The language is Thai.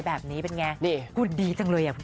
แบบนี้เป็นไงกูดีจังเลย